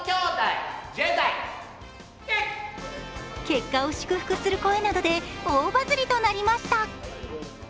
結果を祝福する声などで大バズりとなりました。